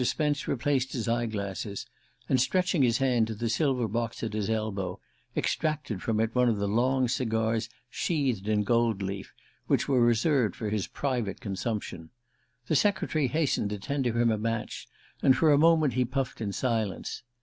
Spence replaced his eye glasses, and stretching his hand to the silver box at his elbow, extracted from it one of the long cigars sheathed in gold leaf which were reserved for his private consumption. The secretary hastened to tender him a match, and for a moment he puffed in silence.